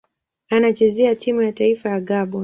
Anachezea timu ya taifa ya Gabon.